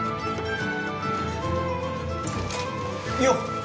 よっ。